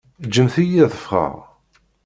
Ǧǧemt-iyi ad ffɣeɣ!